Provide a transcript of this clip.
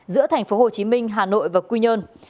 giữa thành phố hồ chí minh hà nội và quy nhơn